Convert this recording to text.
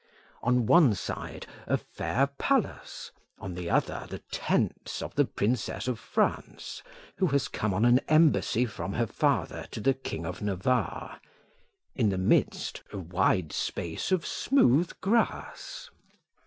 On one side, a fair palace; on the other, the tents of the Princess of France, who has come on an embassy from her father to the King of Navarre; in the midst, a wide space of smooth grass.